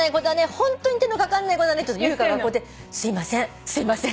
ホントに手のかかんない子だねって優香がここで「すいませんすいません」